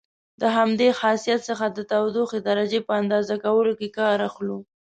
د همدې خاصیت څخه د تودوخې درجې په اندازه کولو کې کار اخلو.